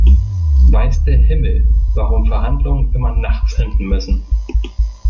Weiß der Himmel, warum Verhandlungen immer nachts enden müssen.